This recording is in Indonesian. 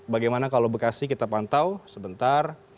bagaimana kalau bekasi kita pantau sebentar